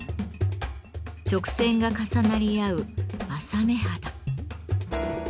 直線が重なり合う「柾目肌」。